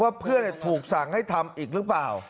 เพื่อนถูกสั่งให้ทำอีกหรือเปล่า